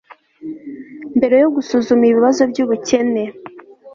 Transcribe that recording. mbere yo gusuzuma ibibazo by'ubukene